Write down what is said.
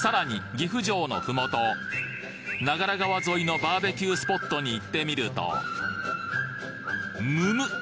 岐阜城の麓長良川沿いのバーベキュースポットに行ってみるとむむ！